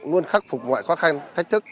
luôn khắc phục mọi khó khăn thách thức